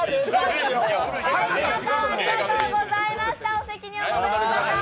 お席にお戻りください。